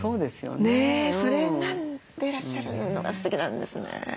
ねえそれなんでいらっしゃるのがすてきなんですね。